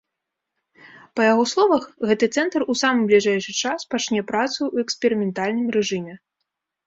Па яго словах, гэты цэнтр у самы бліжэйшы час пачне працу ў эксперыментальным рэжыме.